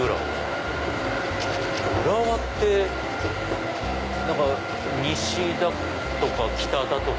浦和って西だとか北だとか。